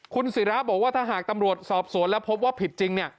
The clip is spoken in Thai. คุณศิราบอกว่าถ้าหากตำรวจสอบสวนแล้วพบว่าผิดจริง